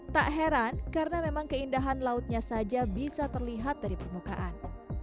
tak heran karena memang keindahan lautnya saja bisa terlihat dari permukaan